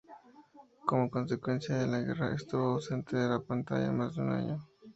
Como consecuencia de la guerra, estuvo ausente de la pantalla más de un año.